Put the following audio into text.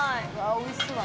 おいしそうだな。